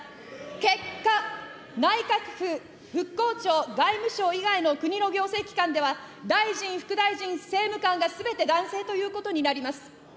結果、内閣府、復興庁、外務省以外の国の行政機関では、大臣、副大臣、政務官がすべて男性ということになります。